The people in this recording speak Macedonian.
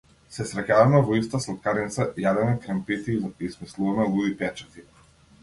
Се среќаваме во иста слаткарница, јадеме кремпити и смислуваме луди печати.